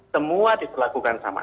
semua diberlakukan sama